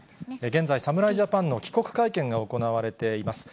現在、侍ジャパンの帰国会見が行われています。